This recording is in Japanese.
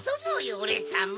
おれさま。